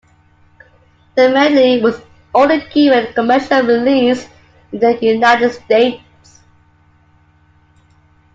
The medley was only given a commercial release in the United States.